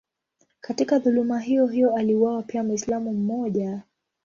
Katika dhuluma hiyohiyo aliuawa pia Mwislamu mmoja.